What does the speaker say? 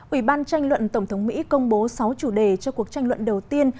ủy ban tranh luận tổng thống mỹ công bố sáu chủ đề cho cuộc tranh luận đầu tiên